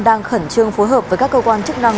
đang khẩn trương phối hợp với các cơ quan chức năng